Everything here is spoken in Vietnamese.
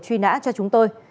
truy nã cho chúng tôi